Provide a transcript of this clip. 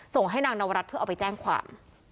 ส่งให้นางนวรัฐเพื่อเอาไปแจ้งความ